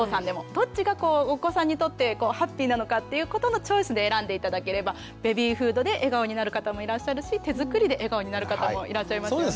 どっちがお子さんにとってハッピーなのかということのチョイスで選んで頂ければベビーフードで笑顔になる方もいらっしゃるし手作りで笑顔になる方もいらっしゃいますよね。